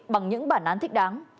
bằng những bản án thích đáng